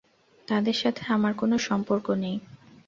তাদের সাথে আমার কোন সম্পর্ক নেই।